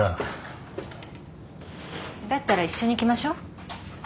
だったら一緒に行きましょう。